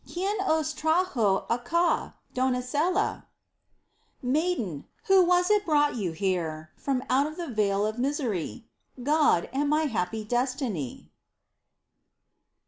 .¿ Quién os trajo acá, doncella ? Maiden, who was it brought you here From out the vale of misery ?— God and my happy destiny